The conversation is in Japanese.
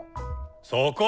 そこ！